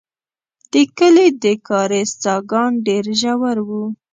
د کلي د کاریز څاګان ډېر ژور وو.